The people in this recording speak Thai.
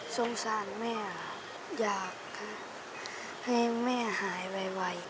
สงสารแม่อยากค่ะให้แม่หายไว